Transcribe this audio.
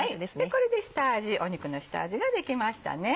これで肉の下味ができました。